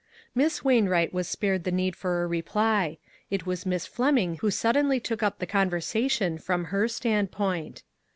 " Miss Wainwright was spared the need for a reply. It was Miss Fleming who sud denly took up the conversation from her standpoint.